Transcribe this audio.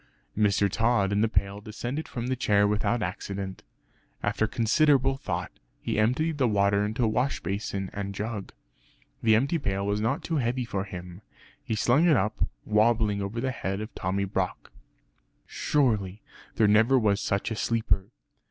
Mr. Tod and the pail descended from the chair without accident. After considerable thought, he emptied the water into a wash basin and jug. The empty pail was not too heavy for him; he slung it up wobbling over the head of Tommy Brock. Surely there never was such a sleeper!